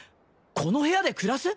この部屋で暮らす？